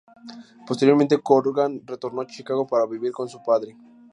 Posteriormente Corgan retornó a Chicago para vivir con su padre.